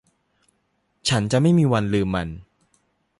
ฉันจะไม่มีวันลืมมัน